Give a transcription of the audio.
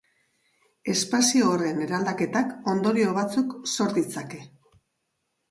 Espazio horren eraldaketak ondorio batzuk sor ditzake.